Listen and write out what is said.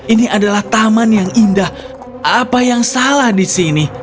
ini adalah taman yang indah apa yang salah di sini